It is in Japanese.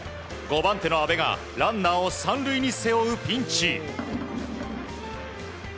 ５番手の阿部がランナーを３塁に背負うピンチ。